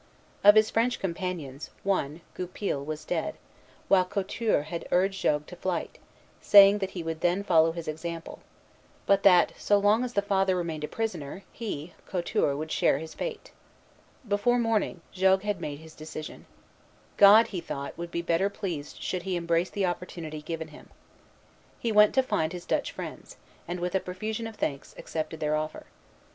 Of his French companions, one, Goupil, was dead; while Couture had urged Jogues to flight, saying that he would then follow his example, but that, so long as the Father remained a prisoner, he, Couture, would share his fate. Before morning, Jogues had made his decision. God, he thought, would be better pleased should he embrace the opportunity given him. He went to find his Dutch friends, and, with a profusion of thanks, accepted their offer.